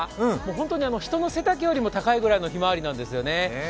本当に人の背丈よりも高いぐらいのひまわりなんですね。